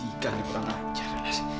gika dikurang ajar